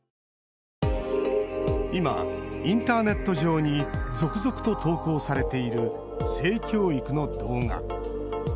今、インターネット上に続々と投稿されている性教育の動画。